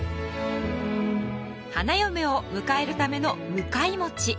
花嫁を迎えるための「迎えもち」